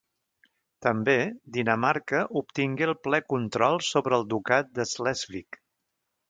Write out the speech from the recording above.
També, Dinamarca obtingué el ple control sobre el ducat de Slesvig.